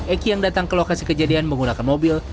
eki yang datang ke lokasi kejadian menggunakan mobil